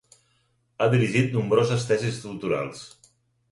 Ha dirigit nombroses tesis doctorals.